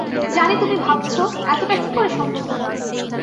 জানি তুমি ভাবছ, এতটা কী করে সম্ভব হল।